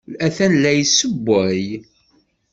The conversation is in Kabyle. Atan la yessewway.